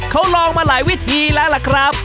เขาลองมาหลายวิธีแล้วล่ะครับ